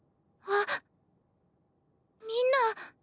あっみんな！